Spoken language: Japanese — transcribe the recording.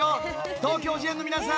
東京事変の皆さん